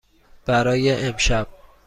برای امشب.